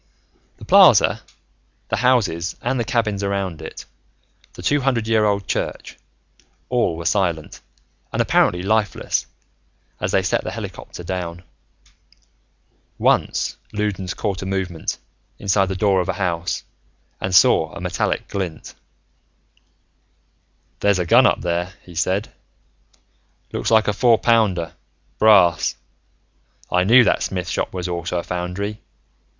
The plaza, the houses and the cabins around it, the two hundred year old church, all were silent and apparently lifeless as they set the helicopter down. Once Loudons caught a movement inside the door of a house, and saw a metallic glint. "There's a gun up there," he said. "Looks like a four pounder. Brass. I knew that smith shop was also a foundry.